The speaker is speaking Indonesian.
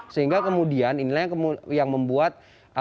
sehingga kemudian inilah yang membuat